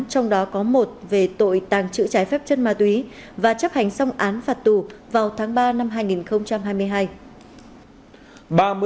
trong đó có một về tội tàng trữ trái phép chất ma túy và chấp hành xong án phạt tù vào tháng ba năm hai nghìn hai mươi hai